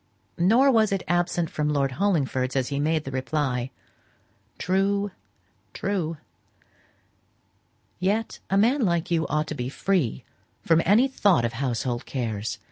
Nor was it absent from Lord Hollingford's as he made reply, "True, true. Yet a man like you ought to be free from any thought of household cares.